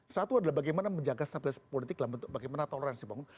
satu adalah bagaimana menjaga stabilitas politik bagaimana toleransi bangun